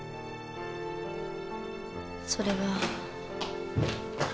それは。